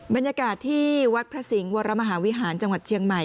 บรรยากาศที่วัดพระสิงห์วรมหาวิหารจังหวัดเชียงใหม่